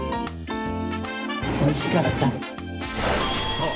そう！